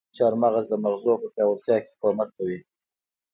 چارمغز د مغزو په پياوړتيا کې کمک کوي.